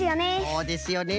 そうですよね。